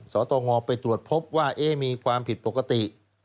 สตงไปตรวจพบว่ามีความผิดปกติ